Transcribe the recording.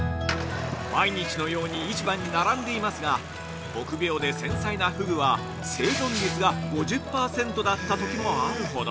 ◆毎日のように市場に並んでいますが臆病で繊細なふぐは、生存率が５０％だったときもあるほど。